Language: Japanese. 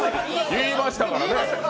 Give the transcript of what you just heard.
言いましたからね。